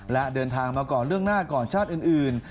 และเดินทางมาก่อนล่วงหน้าก่อนชาติอื่น